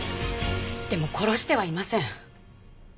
でも殺してはいません。